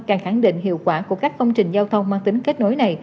càng khẳng định hiệu quả của các công trình giao thông mang tính kết nối này